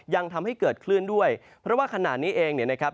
ยังทำให้เกิดเคลื่อนด้วยเพราะว่าขนาดนี้เองนะครับ